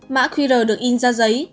mã qr được in ra giấy